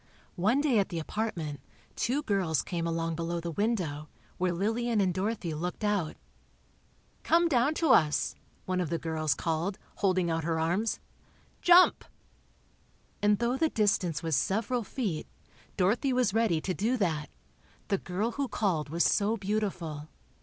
One day at the apartment, two girls came along below the window, where Lillian and Dorothy looked out. "Come down to us," one of the girls called, holding out her arms—"Jump!" And though the distance was several feet, Dorothy was ready to do that—the girl who called was so beautiful.